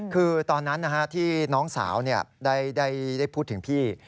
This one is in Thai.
คือตอนนั้นที่น้องสาวได้พูดถึงพี่